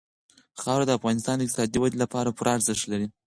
خاوره د افغانستان د اقتصادي ودې لپاره پوره ارزښت لري.